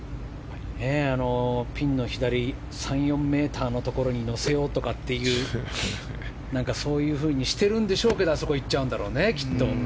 ピンの左３４ｍのところに乗せようというそういうふうにしてるんでしょうけどあそこにいっちゃうんでしょうね。